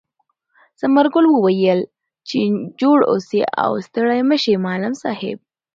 ثمر ګل ورته وویل چې جوړ اوسې او ستړی مه شې معلم صاحب.